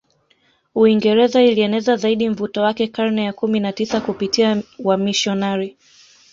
Uingereza ilieneza zaidi mvuto wake karne ya kumi na tisa kupitia wamisionari